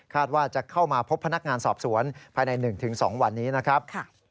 ว่าจะเข้ามาพบพนักงานสอบสวนภายใน๑๒วันนี้นะครับ